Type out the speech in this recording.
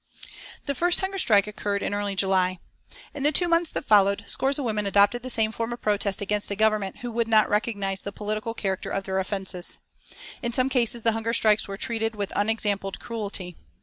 The first hunger strike occurred in early July. In the two months that followed scores of women adopted the same form of protest against a Government who would not recognise the political character of their offences. In some cases the hunger strikers were treated with unexampled cruelty.